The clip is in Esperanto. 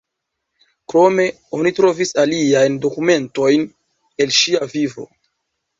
Krome oni trovis aliajn dokumentojn el ŝia vivo.